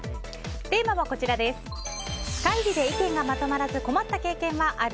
テーマは会議で意見がまとまらず困った経験はある？